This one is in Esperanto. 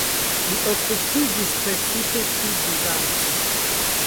Li okupiĝis precipe pri Bizanco.